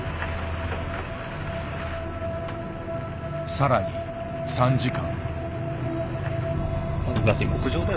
更に３時間。